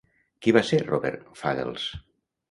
Qui va ser Robert Fagles?